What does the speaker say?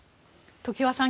常盤さん